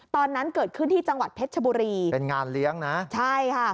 ตอนนั้นเกิดขึ้นที่จังหวัดเพชรชบุรีเป็นงานเลี้ยงนะใช่ค่ะ